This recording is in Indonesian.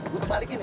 gue terbalik ini